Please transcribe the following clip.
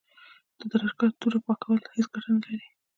د دانشګاه توره پاکول هیڅ ګټه نه لري.